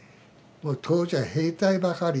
もう当時は兵隊ばかり。